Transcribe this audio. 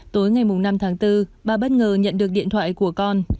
tối ngày năm tháng bốn bà bất ngờ nhận được điện thoại của con